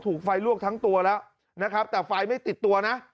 ถูกไฟลวกทั้งตัวแล้วนะครับแต่ไฟไม่ติดตัวนะ